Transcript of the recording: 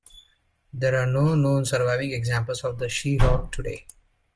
There are no known surviving examples of the Seahawk today.